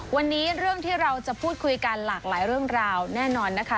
วันนี้เรื่องที่เราจะพูดคุยกันหลากหลายเรื่องราวแน่นอนนะคะ